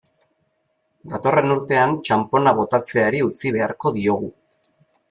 Datorren urtean, txanpona botatzeari utzi beharko diogu.